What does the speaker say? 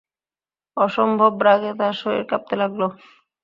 অসম্ভব রাগে তাঁর শরীর কাঁপতে লাগল।